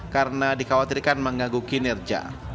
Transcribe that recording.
karena dikhawatirkan mengganggu kinerja